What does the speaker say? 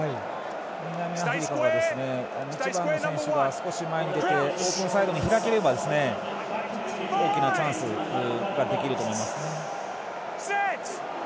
南アフリカは１番の選手が少し前に出てオープンサイドに開ければ大きなチャンスになると思います。